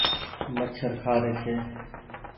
مڇر کآ ري ڇي۔